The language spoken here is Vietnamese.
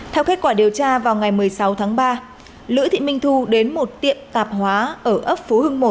theo kết quả điều tra vào ngày một mươi sáu tháng ba lữ thị minh thu đến một tiệm tạp hóa ở ấp phú hưng một